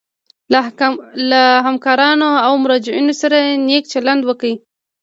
له همکارانو او مراجعینو سره نیک چلند وکړي.